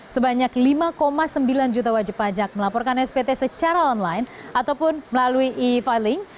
sebanyak lima sembilan juta wajib pajak melaporkan spt secara online ataupun melalui e filing